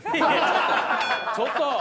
ちょっと！